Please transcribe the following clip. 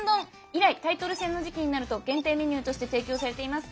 以来タイトル戦の時期になると限定メニューとして提供されています。